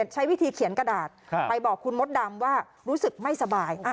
ใช้วิธีเขียนกระดาษไปบอกคุณมดดำว่ารู้สึกไม่สบาย